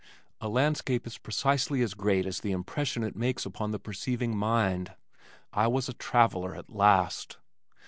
A landscape is precisely as great as the impression it makes upon the perceiving mind. I was a traveller at last!